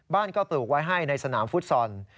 บ้านก็ปลูกไว้ให้ในสนามฟุตซอล